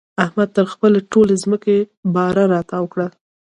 احمد تر خپلې ټولې ځمکې باره را تاو کړله.